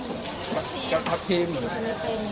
สวัสดีทุกคน